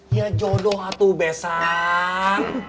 iya jodoh atuh besan